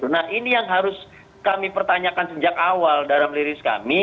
nah ini yang harus kami pertanyakan sejak awal dalam liris kami